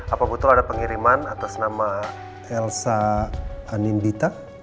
apa betul ada pengiriman atas nama elsa anindita